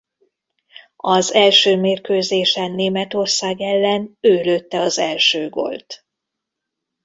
Az első mérkőzésen Németország ellen ő lőtte az első gólt.